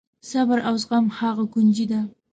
صبر او زغم هغه کونجي ده.